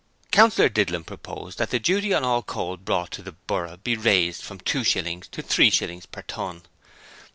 Councillor Didlum proposed that the duty on all coal brought into the borough be raised from two shillings to three shillings per ton.